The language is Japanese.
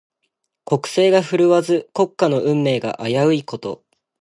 国勢が振るわず、国家の運命が危ういこと。